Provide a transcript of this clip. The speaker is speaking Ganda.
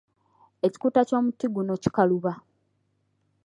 Ekikuta ky'omuti guno kikaluba.